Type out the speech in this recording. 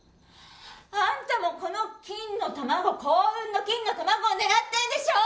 あんたもこの金の卵幸運の金の卵を狙ってんでしょ！？